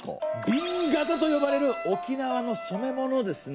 「紅型」と呼ばれる沖縄の染め物ですね。